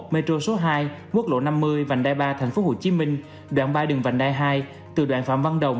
metro số hai quốc lộ năm mươi vành đai ba tp hcm đoạn ba đường vành đai hai từ đoạn phạm văn đồng